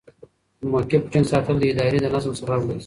د موقف ټینګ ساتل د ادارې د نظم سبب ګرځي.